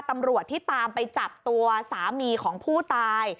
ตำรวจที่ตามไปจับตัวสามีของผู้ตาย